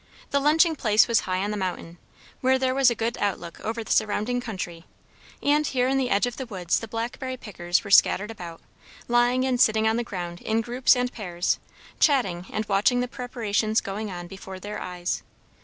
The lunching place was high on the mountain, where there was a good outlook over the surrounding country; and here in the edge of the woods the blackberry pickers were scattered about, lying and sitting on the ground in groups and pairs, chatting and watching the preparations going on before their eyes.